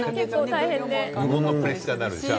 無言のプレッシャーになるんだよね。